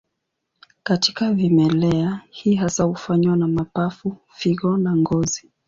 Katika vimelea, hii hasa hufanywa na mapafu, figo na ngozi.